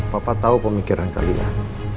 papa tau pemikiran kalian